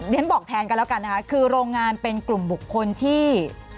เรียนบอกแทนกันแล้วกันนะคะคือโรงงานเป็นกลุ่มบุคคลที่